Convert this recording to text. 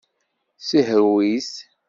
Sihrew-it.